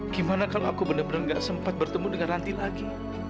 gimana kalau aku bener bener gak sempat bertemu dengan rati lagi